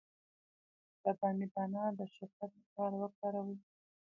د بامیې دانه د شکر لپاره وکاروئ